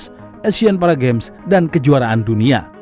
asean paragames asean paragames dan kejuaraan dunia